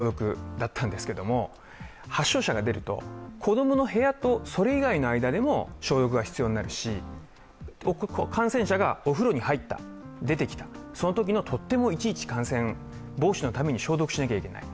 例えば消毒ってこれまでは家の外と家の中の消毒だったんですけれども、発症者が出ると子供の部屋とそれ以外の部屋でも必要になるし感染者がお風呂に入った、出てきたそのときの取っ手もいちいち感染防止のために消毒しなきゃいけない。